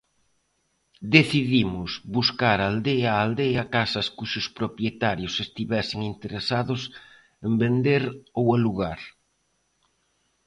Decidimos buscar aldea a aldea casas cuxos propietarios estivesen interesados en vender ou alugar.